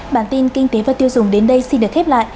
bản tin kinh tế và tiêu dùng đến đây xin được khép lại